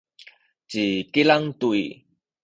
ci Kilang tu i